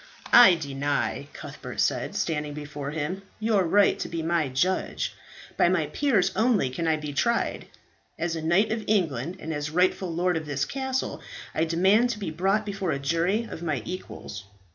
"I deny," Cuthbert said, standing before him, "your right to be my judge. By my peers only can I be tried. As a knight of England and as rightful lord of this castle, I demand to be brought before a jury of my equals."